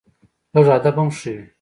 لږ ادب هم ښه وي